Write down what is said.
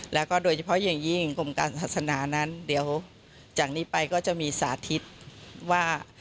แล้วก็โดยเฉพาะอย่างยิ่งกรมการศาสนานั้นเดี๋ยวจากนี้ไปก็จะมีสาธิตว่า